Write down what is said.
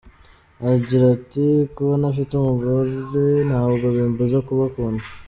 Agira ati “Kuba ntafite umugore ntabwo bimbuza kubakunda.